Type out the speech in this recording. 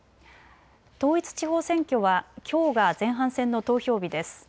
統一地方選挙はきょうが前半戦の投票日です。